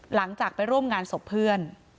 หลังจากไปร่วมงานศพเพื่อน